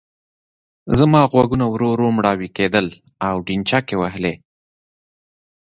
زما غوږونه ورو ورو مړاوي کېدل او ډينچکې وهلې.